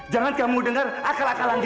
jangan kamu dengar akal akalan